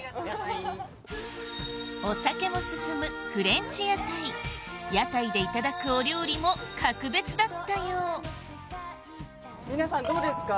お酒も進むフレンチ屋台屋台でいただくお料理も格別だったよう皆さんどうですか？